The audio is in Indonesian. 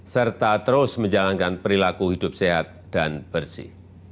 serta terus menjalankan perilaku hidup sehat dan bersih